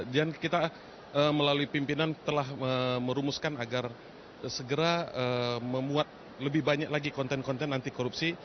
dan kita melalui pimpinan telah merumuskan agar segera memuat lebih banyak lagi konten konten anti korupsi